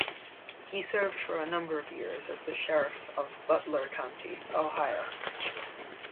He served for a number of years as the Sheriff of Butler County, Ohio.